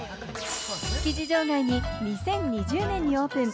築地場外に２０２０年にオープン。